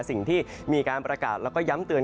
สิ่งที่มีการประกาศแล้วก็ย้ำเตือน